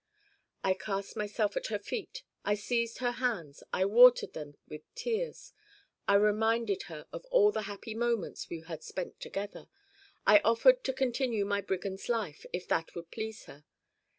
I cast myself at her feet, I seized her hands, I watered them with tears, I reminded her of all the happy moments we had spent together, I offered to continue my brigand's life, if that would please her.